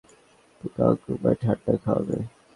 গাঙুবাই ঠান্ডা খাওয়াবে?